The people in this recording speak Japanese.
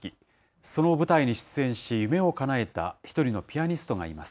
その舞台に出演し、夢をかなえた１人のピアニストがいます。